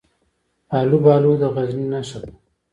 الوبالو د غزني نښه ده.